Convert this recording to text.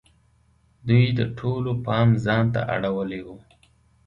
دوی د ټولو پام ځان ته اړولی وو.